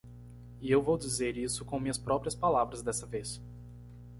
E eu vou dizer isso com minhas próprias palavras dessa vez.